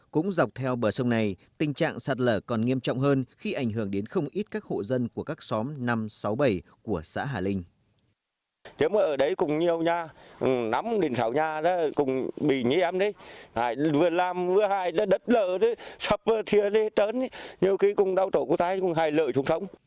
cũng dọc theo bờ sông này tình trạng sạt lở còn nghiêm trọng hơn khi ảnh hưởng đến không ít các hộ dân của các xóm năm sáu mươi bảy của xã hà linh